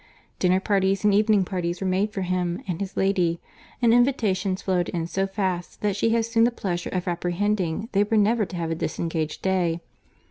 Dinner parties and evening parties were made for him and his lady; and invitations flowed in so fast that she had soon the pleasure of apprehending they were never to have a disengaged day.